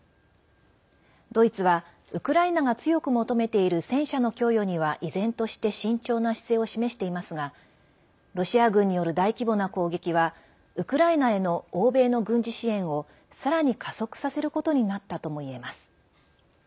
ドイツは、ウクライナが強く求めている戦車の供与には依然として慎重な姿勢を示していますがロシア軍による大規模な攻撃はウクライナへの欧米の軍事支援をさらに加速させることになったともいえます。